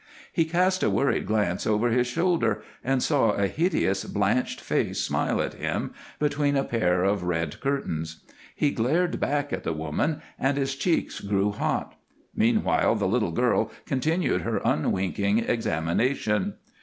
He cast a worried glance over his shoulder and saw a hideous blanched face smile at him between a pair of red curtains. He glared back at the woman, and his cheeks grew hot. Meanwhile the little girl continued her unwinking examination.